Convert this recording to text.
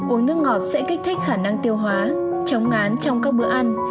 uống nước ngọt sẽ kích thích khả năng tiêu hóa chống ngán trong các bữa ăn